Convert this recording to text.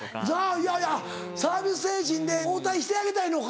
いやいやサービス精神で応対してあげたいのか。